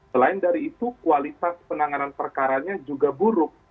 selain dari itu kualitas penanganan perkaranya juga buruk